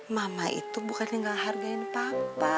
mama itu bukannya ga hargain papa